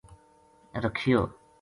رکھیو